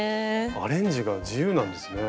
アレンジが自由なんですね。